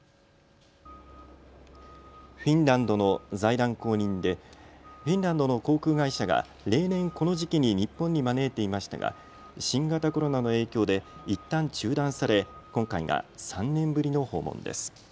フィンランドの財団公認でフィンランドの航空会社が例年、この時期に日本に招いていましたが新型コロナの影響でいったん中断され今回が３年ぶりの訪問です。